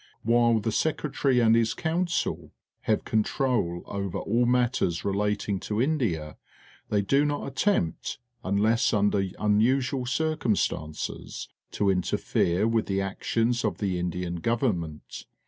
Wliile the Secretary and his Council have control over all matters relating to India, they do not attempt, unless under unusual circumstances, to interfere with the actions of the Indian Government.